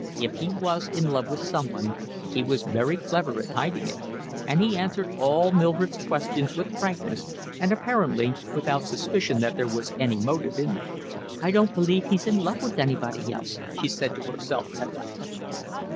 If he was in love with someone, he was very clever at hiding it; and he answered all Mildred's questions with frankness and apparently without suspicion that there was any motive in them. "I don't believe he's in love with anybody else," she said to herself at last.